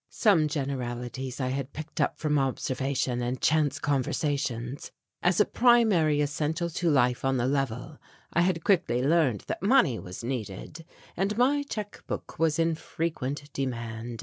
Some generalities I had picked up from observation and chance conversations. As a primary essential to life on the level I had quickly learned that money was needed, and my check book was in frequent demand.